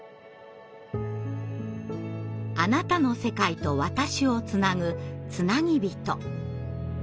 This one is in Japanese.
あなたの世界と私をつなぐつなぎびと。